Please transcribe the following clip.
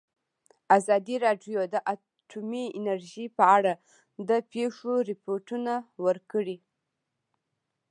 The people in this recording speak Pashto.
ازادي راډیو د اټومي انرژي په اړه د پېښو رپوټونه ورکړي.